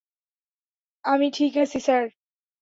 আমি ঠিক আছি স্যার।